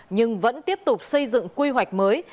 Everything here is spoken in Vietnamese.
nhưng vẫn tiếp tục xây dựng quy hoạch mới